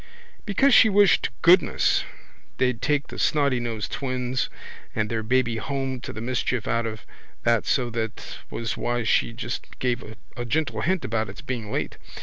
Because she wished to goodness they'd take the snottynosed twins and their babby home to the mischief out of that so that was why she just gave a gentle hint about its being late.